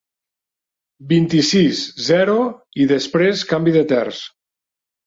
Vint-i-sis, zero i després canvi de terç.